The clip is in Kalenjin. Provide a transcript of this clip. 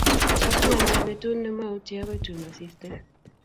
Atinye ane betut nimautie akoi tun asirte.